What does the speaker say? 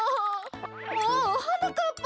おおはなかっぱ。